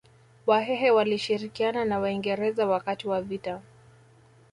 Wahehe walishirikiana na Waingereza wakati wa vita